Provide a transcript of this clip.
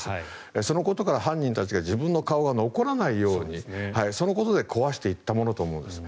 そのことから犯人たちが自分の顔が残らないように今回壊していったと思われます。